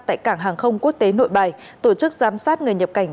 tại cảng hàng không quốc tế nội bài tổ chức giám sát người nhập cảnh